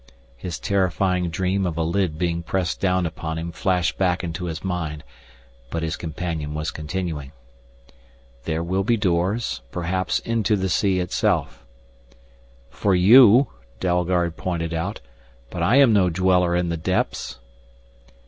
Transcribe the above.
His terrifying dream of a lid being pressed down upon him flashed back into his mind. But his companion was continuing: "There will be doors, perhaps into the sea itself." "For you," Dalgard pointed out, "but I am no dweller in the depths."